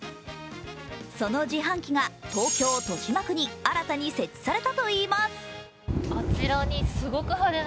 その自販機が東京・豊島区に新たに設置されたといいます。